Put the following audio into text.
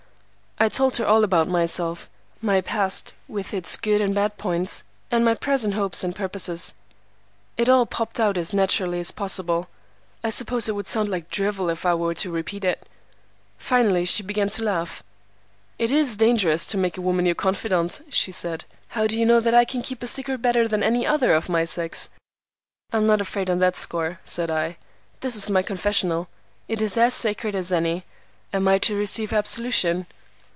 I told her all about myself,—my past, with its good and bad points, and my present hopes and purposes. It all popped out as naturally as possible. I suppose it would sound like drivel if I were to repeat it. Finally she began to laugh. "'It is dangerous to make a woman your confidant,' she said. 'How do you know that I can keep a secret better than any other of my sex?' "'I am not afraid on that score,' said I. 'This is my confessional. It is as sacred as any. Am I to receive absolution?